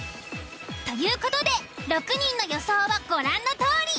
という事で６人の予想はご覧のとおり。